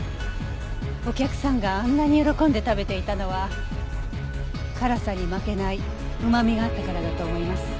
お客さんがあんなに喜んで食べていたのは辛さに負けない旨味があったからだと思います。